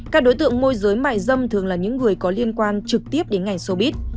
các đối tượng môi giới mại dâm thường là những người có liên quan trực tiếp đến ngành sobit